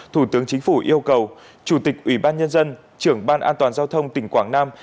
thủ tướng chính phủ yêu cầu chủ tịch ủy ban nhân dân trưởng ban an toàn giao thông tỉnh quảng nam